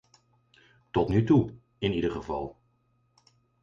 Tot nu toe, in ieder geval.